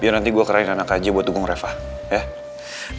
biar nanti gua kerahin anak aja buat dukung reva ya